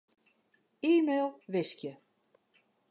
E-mail wiskje.